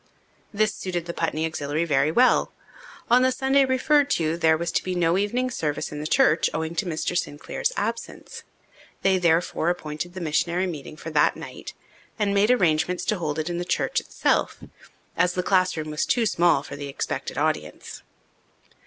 This suited the Putney Auxiliary very well. On the Sunday referred to there was to be no evening service in the church owing to Mr. Sinclair's absence. They therefore appointed the missionary meeting for that night, and made arrangements to hold it in the church itself, as the classroom was too small for the expected audience.